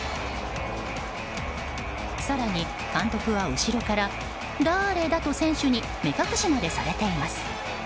更に監督は後ろから、だーれだ？と選手に目隠しまでされています。